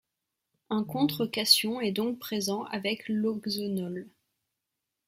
Un contre-cation est donc présent avec l'oxonol.